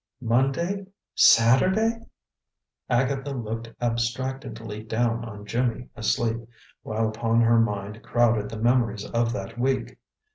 "Monday Saturday!" Agatha looked abstractedly down on Jimmy asleep, while upon her mind crowded the memories of that week.